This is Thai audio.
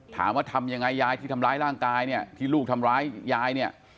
ถามว่าทำยังไงยายที่ทำร้ายร่างกายที่ลูกทำร้ายยาย